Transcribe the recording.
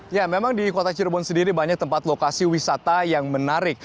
ya memang di kota cirebon sendiri banyak tempat lokasi wisata yang menarik